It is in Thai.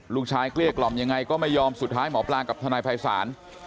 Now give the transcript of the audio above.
เกลี้ยกล่อมยังไงก็ไม่ยอมสุดท้ายหมอปลากับทนายภัยศาล